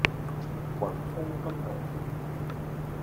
雲鋒金融